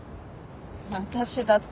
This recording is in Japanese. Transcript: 私だって。